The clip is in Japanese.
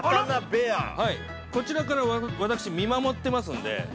◆こちらから、私、見守ってますので。